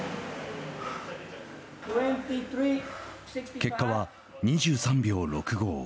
結果は２３秒６５。